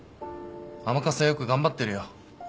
甘春はよく頑張ってるよ。